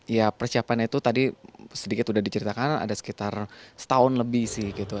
ya persiapan itu tadi sedikit udah diceritakan ada sekitar setahun lebih sih gitu